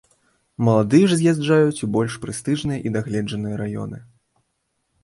Маладыя ж з'язджаюць у больш прэстыжныя і дагледжаныя раёны.